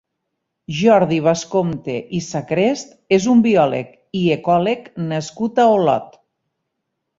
Jordi Bascompte i Sacrest és un biòleg i ecòleg nascut a Olot.